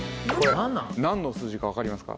何の数字か分かりますか？